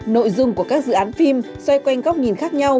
nội dung của các dự án phim xoay quanh góc nhìn khác nhau